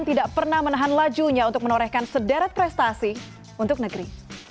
tidak pernah menahan lajunya untuk menorehkan sederet prestasi untuk negeri